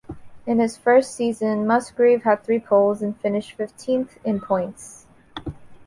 In his first season, Musgrave had three poles, and finished fifteenth in points.